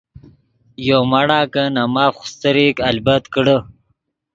یو مڑا کہ نے ماف خوستریک البت کڑے۔